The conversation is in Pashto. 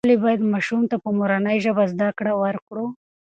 ولې باید ماشوم ته په مورنۍ ژبه زده کړه ورکړو؟